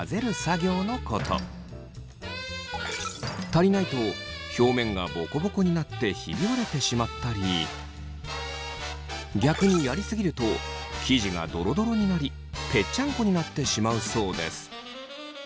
足りないと表面がボコボコになってひび割れてしまったり逆にやり過ぎると生地がドロドロになりぺっちゃんこになってしまうそうです。